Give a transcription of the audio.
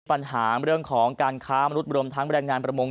ปัญหาเรื่องของการค้ามนุษย์รวมทั้งแรงงานประมง